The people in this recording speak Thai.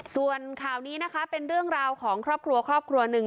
ส่วนข่าวนี้นะคะเป็นเรื่องราวของครอบครัวครอบครัวหนึ่ง